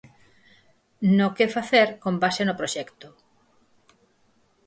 No 'que facer', con base no proxecto.